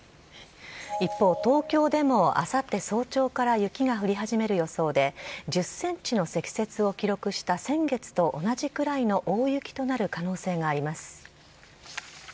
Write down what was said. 一方、東京でもあさって早朝から雪が降り始める予想で、１０センチの積雪を記録した先月と同じくらいの大雪となる可能性があります。